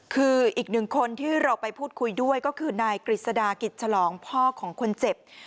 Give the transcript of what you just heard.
คืออีกหนึ่งคนที่เราไปพูดคุยด้วยก็คือนายกฤษฎากิจฉลองพ่อของคนเจ็บ